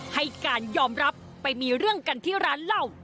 ให้การยอมรับไปมีเรื่องกันที่ร้านเหล้า